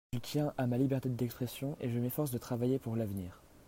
Je tiens à ma liberté d’expression et je m’efforce de travailler pour l’avenir